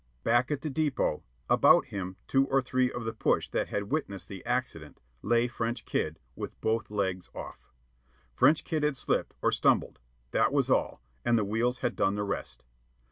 Back at the depot, about him two or three of the push that had witnessed the accident, lay French Kid with both legs off. French Kid had slipped or stumbled that was all, and the wheels had done the rest.